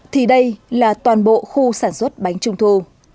thì đây là toàn bộ khu sản xuất bánh trung thu